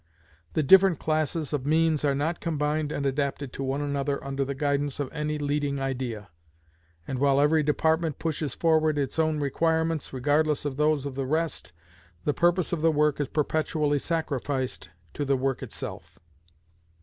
The different classes of means are not combined and adapted to one another under the guidance of any leading idea; and while every department pushes forward its own requirements, regardless of those of the rest, the purpose of the work is perpetually sacrificed to the work itself.